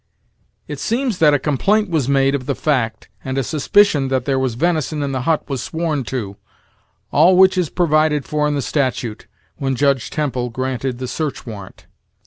"It seems that a complaint was made of the fact, and a suspicion that there was venison in the hut was sworn to, all which is provided for in the statute, when Judge Temple granted the search warrant."